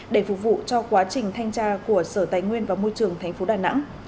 để phục vụ cho quá trình thanh tra của sở tài nguyên và môi trường thành phố đà nẵng